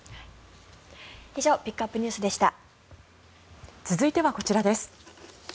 以上ピックアップＮＥＷＳでした。